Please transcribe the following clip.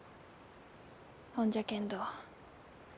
ほんじゃけんど